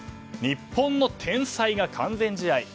日本の天才が完全試合。